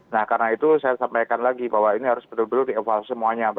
nah karena itu saya sampaikan lagi bahwa ini harus benar benar di evaluasi semuanya